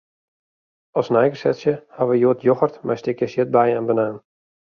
As neigesetsje hawwe wy hjoed yochert mei stikjes ierdbei en banaan.